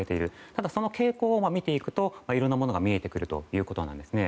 ただ、その傾向を見ていくといろいろなものが見えてくるということなんです。